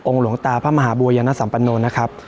หลวงตาพระมหาบัวยนสัมปโนนะครับ